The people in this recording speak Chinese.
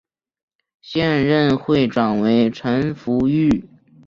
现任会长为陈福裕。